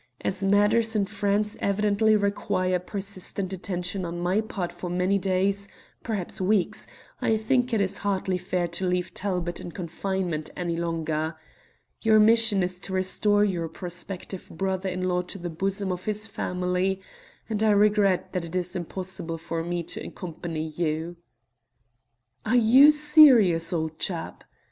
As matters in France evidently require persistent attention on my part for many days, perhaps weeks, I think it is hardly fair to leave Talbot in confinement any longer. Your mission is to restore your prospective brother in law to the bosom of his family, and I regret that it is impossible for me to accompany you." "Are you serious, old chap?"